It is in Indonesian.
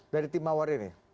dari timawar ini